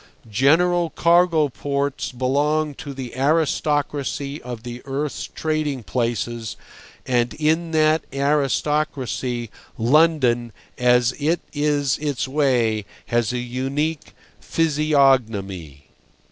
General cargo ports belong to the aristocracy of the earth's trading places, and in that aristocracy London, as it is its way, has a unique physiognomy.